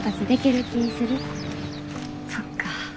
そっか。